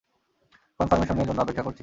কনফার্মেশনের জন্য অপেক্ষা করছি।